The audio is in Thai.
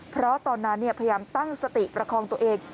เพราะตอนนั้นพยายามตั้งสติประคองตัวเอง